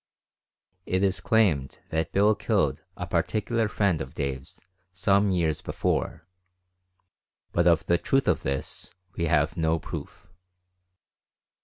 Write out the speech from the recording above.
It is claimed that Bill killed a particular friend of Dave's some years before, but of the truth of this we have no proof.